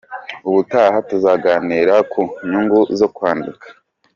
Ubutaha tuzaganira ku inyungu zo kwandika.